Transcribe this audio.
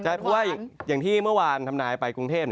จับถ้วยที่เมื่อวานทำนายไปกรุงเทพฯ